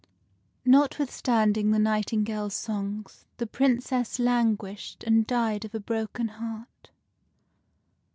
Notwithstanding the nightingale's songs, the Princess languished and died of a broken heart.